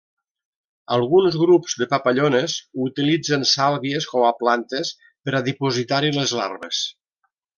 Alguns grups de papallones utilitzen sàlvies com a plantes per a dipositar-hi les larves.